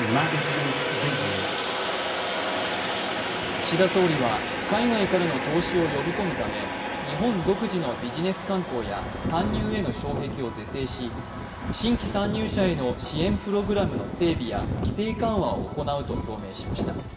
岸田総理は海外からの投資を呼び込むため日本独自のビジネス慣行や参入への障壁を是正し新規参入者への支援プログラムの整備や規制緩和を行うと表明しました。